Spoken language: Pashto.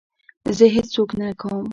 زه هېڅ څوک نه کوم.